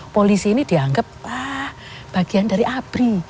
polisi ini dianggap bagian dari abri